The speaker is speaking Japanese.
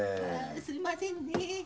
すいませんね。